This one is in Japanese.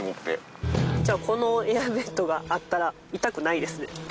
じゃあこのエアーベッドがあったら痛くないですね。